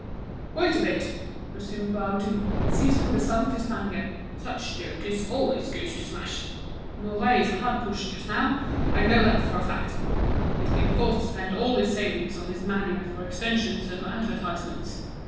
"Wait a bit!" resumed Baudu, seized with a sudden fit of anger, "such jokers always go to smash! Mouret is hard pushed just now; I know that for a fact. He's been forced to spend all his savings on his mania for extensions and advertisements.